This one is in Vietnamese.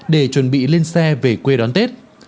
để chuẩn bị lên xe về quê đón tết